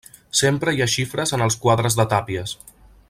Sempre hi ha xifres en els quadres de Tàpies.